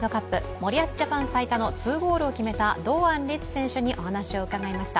森保ジャパン最多の２ゴールを決めた堂安律選手にお話を伺いました。